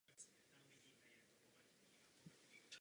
Jedná se o publikace "Through My Lens" a "Inside My dreams".